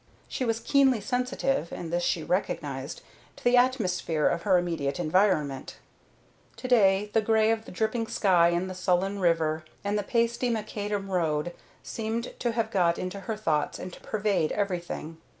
She was keenly sensitive and this she recognized to the atmosphere of her immediate environment. To day the gray of the dripping sky and the sullen river and the pasty macadam road seemed to have got into her thoughts and to pervade everything.